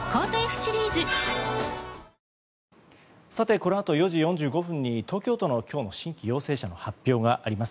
このあと４時４５分に東京都の今日の新規陽性者の発表があります。